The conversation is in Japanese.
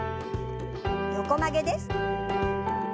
横曲げです。